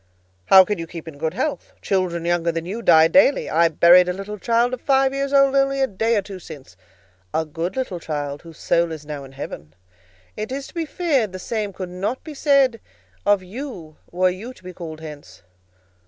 "How can you keep in good health? Children younger than you die daily. I buried a little child of five years old only a day or two since,—a good little child, whose soul is now in heaven. It is to be feared the same could not be said of you were you to be called hence."